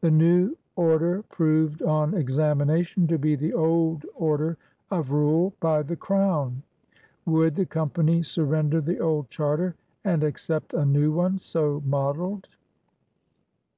The new order proved, on examination, to be the old order of rule by the Crown. Would the Company sur render the old charter and accept a new one so modeled?